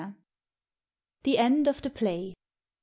THE END OF THE TLAY.